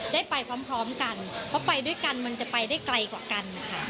ได้ไปพร้อมกันเพราะไปด้วยกันมันจะไปได้ไกลกว่ากันนะคะ